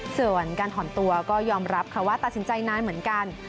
ส่วนการถอนตัวก็ยอมรับค่ะว่าตัดสินใจนานเหมือนกัน